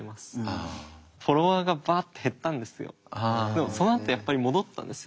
でもそのあとやっぱり戻ったんですよ。